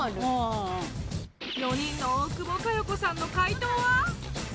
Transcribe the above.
４人の大久保佳代子さんの解答は？